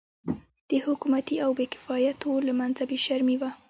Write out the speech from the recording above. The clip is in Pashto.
د حکومتي او بې کفایتو له منځه بې شرمي وه.